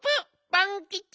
パンキチ。